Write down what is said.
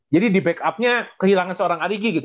jadi di back upnya kehilangan seorang arigi gitu